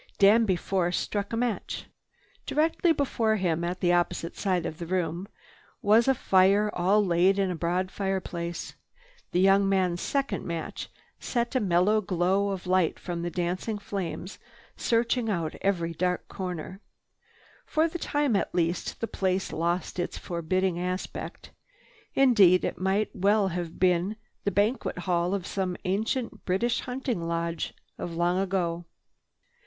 Danby Force struck a match. Directly before him, at the opposite side of the room, was a fire all laid in a broad fireplace. The young man's second match set a mellow glow of light from the dancing flames searching out every dark corner. For the time at least, the place lost its forbidding aspect. Indeed it might well have been the banquet hall of some ancient British hunting lodge, of long ago.